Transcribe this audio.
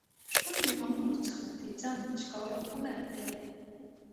ژوند د غمونو څخه د ځان بچ کولو هنر دی.